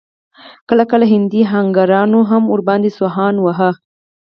کله کله هندي اهنګرانو هم ور باندې سوهان واهه.